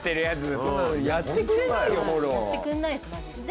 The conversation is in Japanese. やってくれないですね。